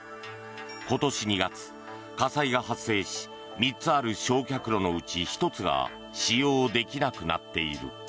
今年２月、火災が発生し３つある焼却炉のうち１つが使用できなくなっている。